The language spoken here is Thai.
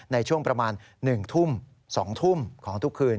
ในช่วงประมาณ๑ทุ่ม๒ทุ่มของทุกคืน